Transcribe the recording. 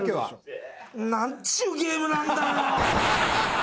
何ちゅうゲームなんだよ。